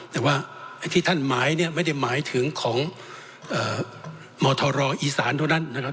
แต่ว่าไอ้ที่ท่านหมายเนี่ยไม่ได้หมายถึงของมทรอีสานเท่านั้นนะครับ